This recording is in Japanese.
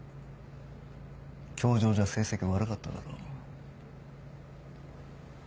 教場じゃ成績悪かっただろ。